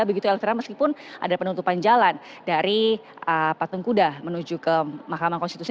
begitu elvira meskipun ada penutupan jalan dari patung kuda menuju ke mahkamah konstitusi